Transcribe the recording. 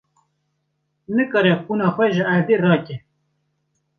Nikare qûna xwe ji erdê rake.